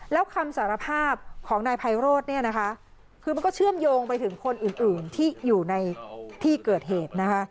แล้วคำสารภาพของนายไพโรธเนี่ยนะคะคือมันก็เชื่อมโยงไปถึงคนอื่นที่อยู่ในที่เกิดเหตุนะคะ